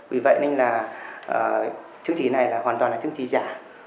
vì vậy nên là chứng chỉ này là hoàn toàn là chứng chỉ giả